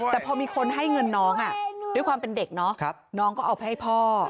แต่พอมีคนให้เงินน้องด้วยความเป็นเด็กเนาะน้องก็เอาไปให้พ่อ